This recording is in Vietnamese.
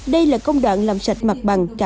đây là công đoạn làm sạch mặt bằng